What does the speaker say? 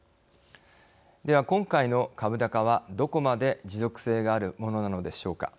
では、今回の株高はどこまで持続性があるものなのでしょうか。